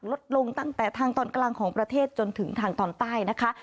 ลดลงตั้งแต่ทางตอนกลางของประเทศจนถึงทางตอนใต้นะคะ